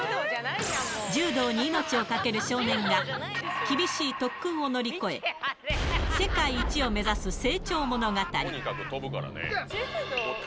柔道に命をかける少年が、厳しい特訓を乗り越え、世界一を目指す成長物語。